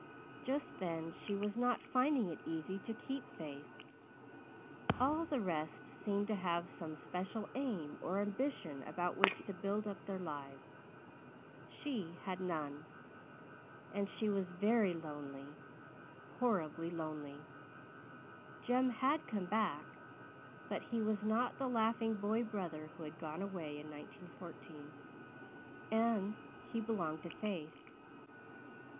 Just then she was not finding it easy to keep faith. All the rest seemed to have some special aim or ambition about which to build up their lives she had none. And she was very lonely, horribly lonely. Jem had come back but he was not the laughing boy brother who had gone away in 1914 and he belonged to Faith.